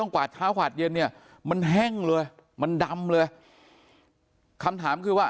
กวาดเช้ากวาดเย็นเนี่ยมันแห้งเลยมันดำเลยคำถามคือว่า